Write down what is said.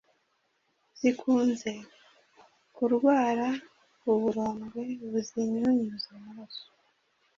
Zikunze kurwara uburondwe buzinyunyuza amaraso.